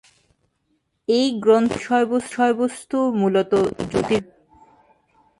এই গ্রন্থটির বিষয়বস্তু মূলত জ্যোতির্বিজ্ঞান।